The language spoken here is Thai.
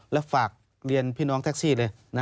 แล้วฝากเรียนพี่น้องแท็กซี่เลย